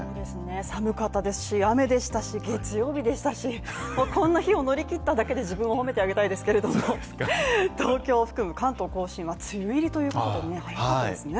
寒かったですし雨でしたし月曜日でしたし、もうこんな日を乗り切っただけで自分を褒めてあげたいですけれども、東京を含む関東甲信は梅雨入りということですね。